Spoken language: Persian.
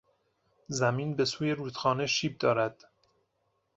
زمین به سوی رودخانه شیب دارد.